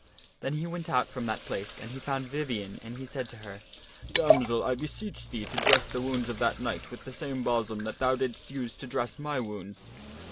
Then he went out from that place and he found Vivien and he said to her, " Damsel, I beseech thee to dress the wounds of that knight with ,the same balsam that thou didst use to dress my wounds."